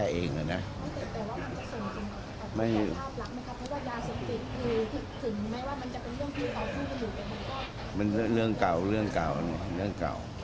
เพราะว่ายาสนจริงคือถึงถึงไม่ว่ามันจะเป็นเรื่องที่เก่าสู้กันหรือเป็นเรื่องเก่า